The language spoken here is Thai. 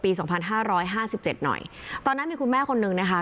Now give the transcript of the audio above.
สองพันห้าร้อยห้าสิบเจ็ดหน่อยตอนนั้นมีคุณแม่คนนึงนะคะ